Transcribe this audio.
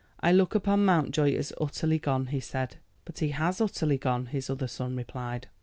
"I look upon Mountjoy as utterly gone," he said. "But he has utterly gone," his other son replied.